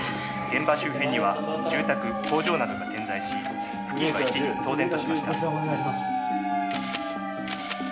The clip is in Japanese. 「現場周辺には住宅工場などが点在し付近は一時騒然としました」